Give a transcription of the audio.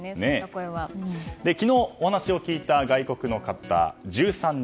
昨日お話を聞いた外国の方１３人。